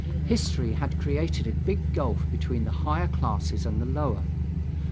History has created a big gulf between the higher classes and the lower.